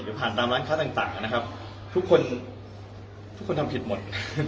หรือผ่านตามร้านค่าต่างนะครับทุกคนทำผิดหมด